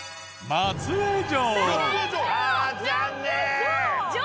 松江城。